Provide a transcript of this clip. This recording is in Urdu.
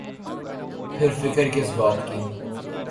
پھر فکر کس بات کی۔